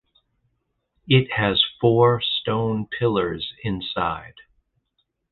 It has four stone pillars inside.